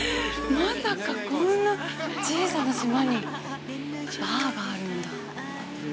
まさかこんな小さな島にバーがあるんだ。